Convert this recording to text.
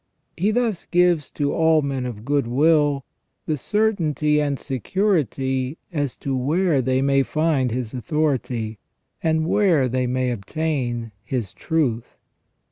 He thus gives to all men of goodwill the certainty and security as to where they may find His authority, and where they may obtain His truth.